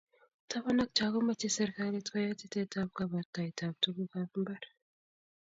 Taban ak Cho komachei serkalit koyai tetetab kabartaetabb tugukab mbar